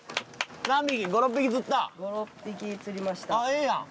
ええやん！